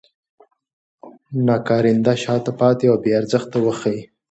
ناکارنده، شاته پاتې او بې ارزښته وښيي.